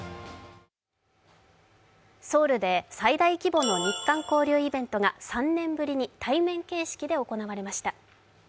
ソウルで最大規模の日韓交流イベントが３年ぶりに対面形式で行われました。